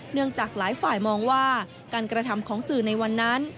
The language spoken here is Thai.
จากหลายฝ่ายมองว่าการกระทำของสื่อในวันนั้น